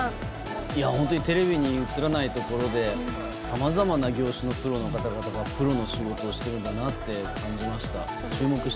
テレビに映らないところでさまざまな業種のプロの方がプロの仕事をしているんだなと感じました。